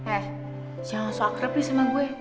eh jangan sokak repi sama gue